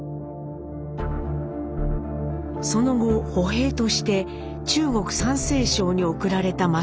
その後歩兵として中国・山西省に送られた正治。